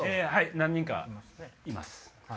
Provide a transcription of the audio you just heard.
何人かいます。